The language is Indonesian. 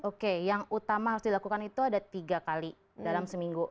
oke yang utama harus dilakukan itu ada tiga kali dalam seminggu